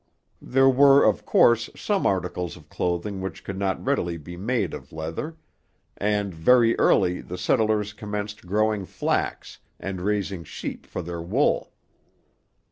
There were of course, some articles of clothing which could not readily be made of leather; and very early the settlers commenced growing flax and raising sheep for their wool.